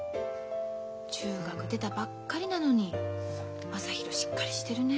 中学出たばっかりなのに正浩しっかりしてるね。